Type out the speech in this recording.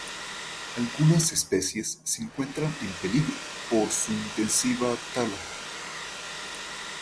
Algunas especies se encuentran en peligro por su intensiva tala.